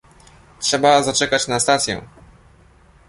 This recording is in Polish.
"Trzeba zaczekać na stację."